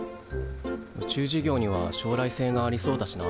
宇宙事業には将来性がありそうだしな。